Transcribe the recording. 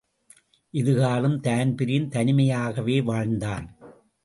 இதுகாறும் Dan Breen தனிமையாகவே வாழ்ந்தான்.